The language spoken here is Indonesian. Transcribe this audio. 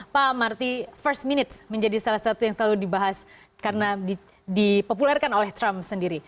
pak marty first minute menjadi salah satu yang selalu dibahas karena dipopulerkan oleh trump sendiri